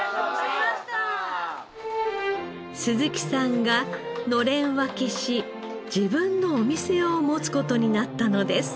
鈴木さんがのれん分けし自分のお店を持つ事になったのです。